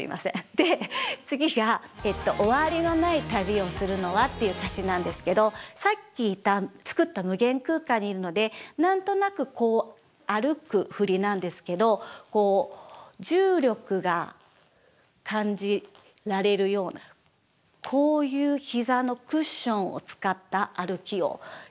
で次が「終わりのない旅をするのは」っていう歌詞なんですけどさっき作った無限空間にいるのでなんとなくこう歩く振りなんですけどこう重力が感じられるようなこういう膝のクッションを使った歩きをしています。